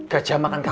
gajah makan gawat